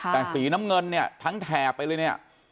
แต่สีน้ำเงินเนี่ยทั้งแถบไปเลยเนี่ย